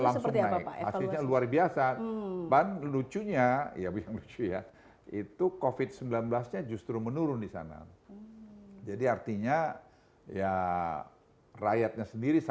misalnya kemudian tadi